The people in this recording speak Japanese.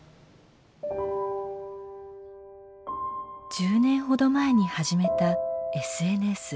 １０年ほど前に始めたＳＮＳ。